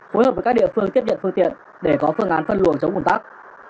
phối hợp với các địa phương tiếp nhận phương tiện để có phương án phân luồng chống ủn tắc